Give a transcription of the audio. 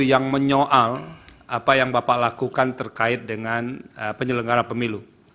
yang menyoal apa yang bapak lakukan terkait dengan penyelenggara pemilu